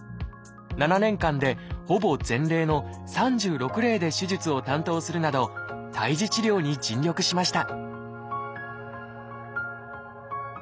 ７年間でほぼ全例の３６例で手術を担当するなど胎児治療に尽力しました